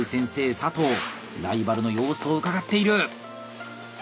佐藤ライバルの様子をうかがっている！